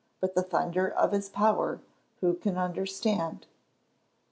but the thunder of his power who can understand?"